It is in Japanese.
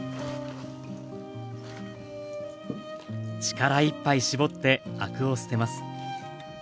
力いっぱい絞ってアクを捨てます。